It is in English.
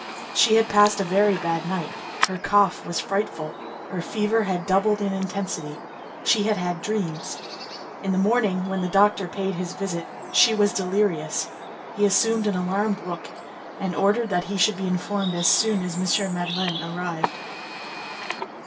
She had passed a very bad night; her cough was frightful; her fever had doubled in intensity; she had had dreams: in the morning, when the doctor paid his visit, she was delirious; he assumed an alarmed look, and ordered that he should be informed as soon as M. Madeleine arrived.